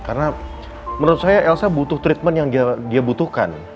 karena menurut saya elsa butuh treatment yang dia butuhkan